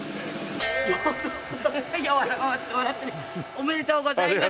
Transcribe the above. おめでとうございます。